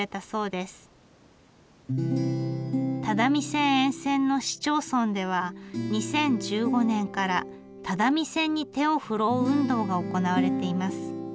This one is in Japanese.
只見線沿線の市町村では２０１５年から只見線に手を振ろう運動が行われています。